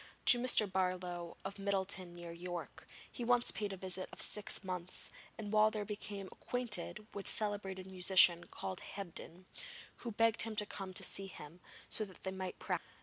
To Mr. Barlow, of Middleton near York, he once paid a visit of six months, and while there became acquainted with a celebrated musician called Hebdin, who begged him to come and see him, so that they might practise together.